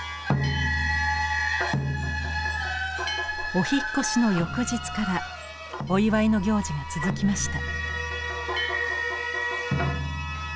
お引っ越しの翌日からお祝いの行事が続きました。